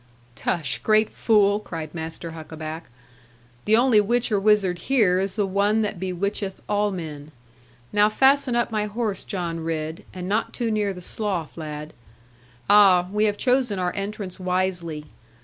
'Tush, great fool!' cried Master Huckaback; 'the only witch or wizard here is the one that bewitcheth all men. Now fasten up my horse, John Ridd, and not too near the slough, lad. Ah, we have chosen our entrance wisely.